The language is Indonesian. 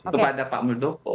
kepada pak muldoko